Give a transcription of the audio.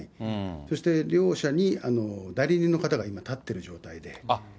そして両者に代理人の方が今立っている状態で。